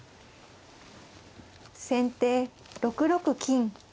先手６六金。